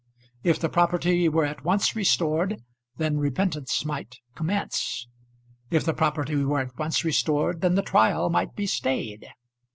If the property were at once restored, then repentance might commence. If the property were at once restored, then the trial might be stayed.